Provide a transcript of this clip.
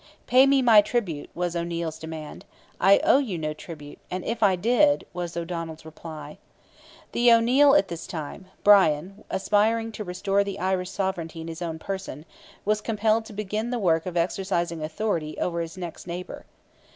"Pay me my tribute," was O'Neil's demand; "I owe you no tribute, and if I did— " was O'Donnell's reply. The O'Neil at this time—Brian—aspiring to restore the Irish sovereignty in his own person, was compelled to begin the work of exercising authority over his next neighbour.